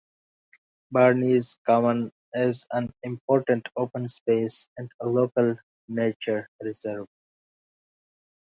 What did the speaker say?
Barnes Common is an important open space and a local nature reserve.